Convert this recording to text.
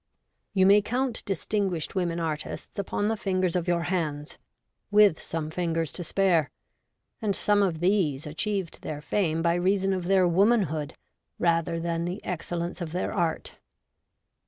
You may count distinguished women artists upon the fingers of your hands, with some fingers to spare, and some of these achieved their fame by reason of E 50 REVOLTED WOMAN. their womanhood, rather than the excellence of their art.